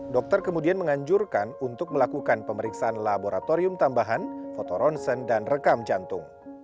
dokter kemudian menganjurkan untuk melakukan pemeriksaan laboratorium tambahan fotoronsen dan rekam jantung